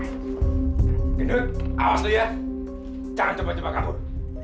dengar gendut awas lu ya jangan cepat cepat kabur